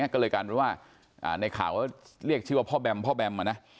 ก็เลยกลายเป็นว่าในข่าวก็เรียกชื่อว่าพ่อแบมพ่อแบมมานะ